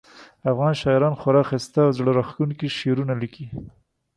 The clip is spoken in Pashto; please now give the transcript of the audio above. افغان شاعران خورا ښایسته او زړه راښکونکي شعرونه لیکي